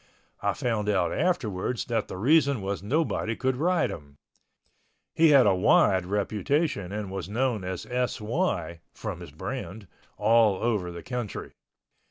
I found out afterwards that the reason was nobody could ride him. He had a wide reputation and was known as S.Y. (from his brand) all over the country.